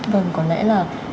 vâng có lẽ là